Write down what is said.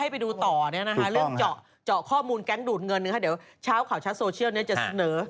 เรื่องเจาะข้อมูลแก๊งดูตเงิน